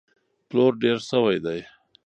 پلور ډېر شوی دی.